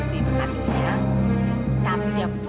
ibu kenapa bu